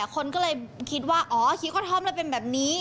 คนก็เลยคิดว่าอ๋อคิดกระท่อมแล้วเป็นแบบนี้